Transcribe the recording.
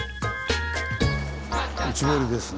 内堀です。